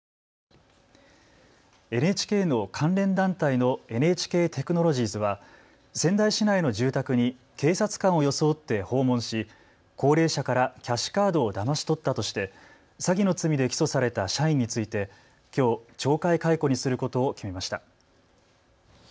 ＮＨＫの関連団体のＮＨＫテクノロジーズは仙台市内の住宅に警察官を装って訪問し高齢者からキャッシュカードをだまし取ったとして詐欺の罪で起訴された社員についてきょう懲戒解雇にすることを決めました。